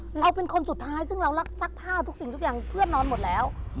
เราเป็นคนสุดท้ายซึ่งเรารักซักผ้าทุกสิ่งทุกอย่างเพื่อนนอนหมดแล้ว